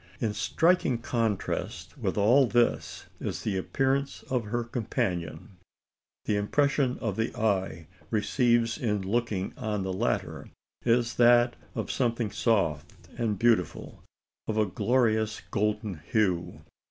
In striking contrast with all this is the appearance of her companion. The impression the eye receives in looking on the latter is that of something soft and beautiful, of a glorious golden hue.